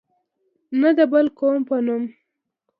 نه د بل قوم په نوم.